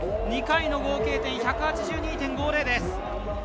２回の合計点、１８２．５０です。